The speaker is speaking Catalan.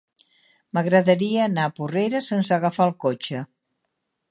M'agradaria anar a Porrera sense agafar el cotxe.